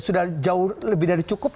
sudah jauh lebih dari cukup